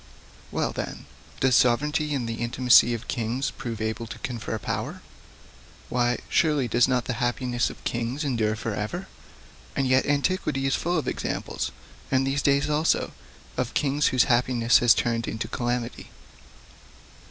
'Well, then, does sovereignty and the intimacy of kings prove able to confer power? Why, surely does not the happiness of kings endure for ever? And yet antiquity is full of examples, and these days also, of kings whose happiness has turned into calamity.